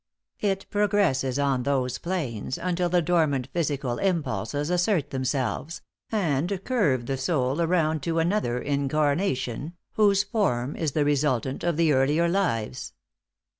It progresses on those planes until the dormant physical impulses assert themselves, and curve the soul around to another incarnation, whose form is the resultant of the earlier lives."